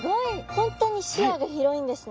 本当に視野が広いんですね。